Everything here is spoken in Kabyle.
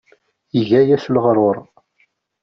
Iga-yas leɣrur.